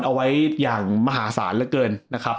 เอาไว้อย่างมหาศาลเหลือเกินนะครับ